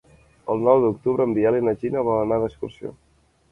El nou d'octubre en Biel i na Gina volen anar d'excursió.